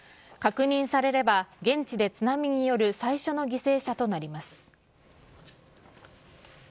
確認されれば現地で津波による最初の犠牲者となります。